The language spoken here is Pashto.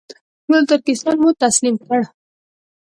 ټول ترکستان مو تسلیم کړ.